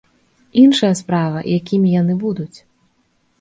Іншая справа, якімі яны будуць.